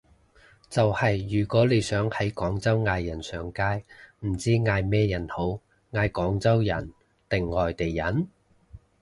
就係如果你想喺廣州嗌人上街，唔知嗌咩人好，嗌廣州人定外地人？